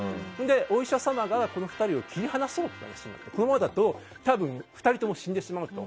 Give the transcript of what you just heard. お医者様が、この２人を切り離そうという話になってこのままだと多分２人とも死んでしまうと。